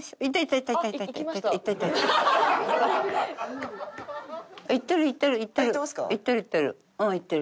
いってるいってる。